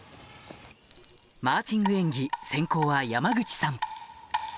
マーチング演技先攻は山口さん